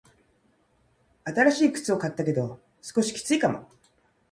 新しい靴を買ったけど、少しきついかも。